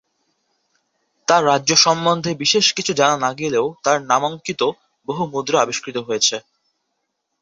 তার রাজত্ব সম্বন্ধে বিশেষ কিছু জানা না গেলেও তার নামাঙ্কিত বহু মুদ্রা আবিষ্কৃত হয়েছে।